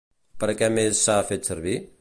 Per a què més s'ha fet servir?